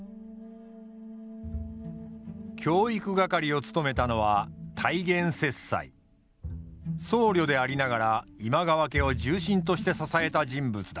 教育係を務めたのは僧侶でありながら今川家を重臣として支えた人物だ。